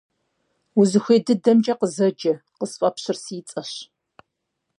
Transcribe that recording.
Узыхуей дыдэмкӀэ къызэджэ, къысфӀэпщыр си цӀэщ.